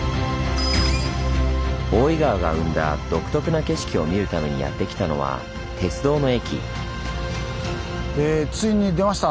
大井川が生んだ独特な景色を見るためにやって来たのは鉄道の駅。